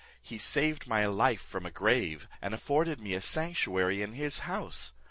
He saved my life from a grave, and afforded me a sanctuary in his house.